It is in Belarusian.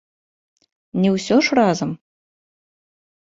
Не ўсё ж разам.